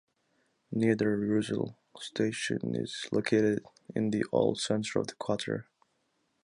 Niederursel station is located in the old center of the quarter.